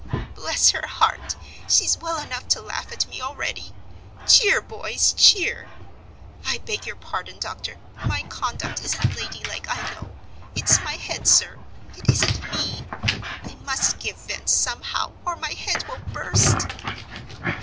"Bless her heart, she's well enough to laugh at me already. 'Cheer, boys, cheer—!' I beg your pardon, doctor, my conduct isn't ladylike, I know. It's my head, sir; it isn't me. I must give vent somehow, or my head will burst!"